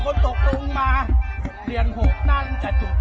มันตัดน้ำแล้วอืดกูอุดเจียน